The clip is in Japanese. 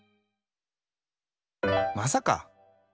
まさか！